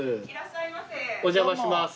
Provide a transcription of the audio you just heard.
お邪魔します。